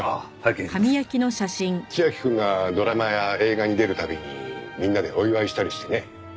千明くんがドラマや映画に出る度にみんなでお祝いしたりしてね。